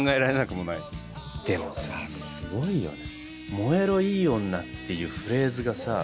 「燃えろいい女」っていうフレーズがさ。